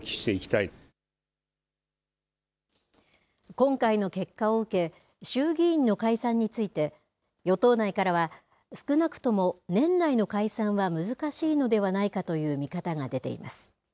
今回の結果を受け、衆議院の解散について、与党内からは、少なくとも年内の解散は難しいのではないかという見方が出ています。